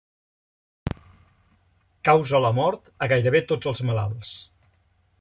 Causa la mort a gairebé a tots els malalts.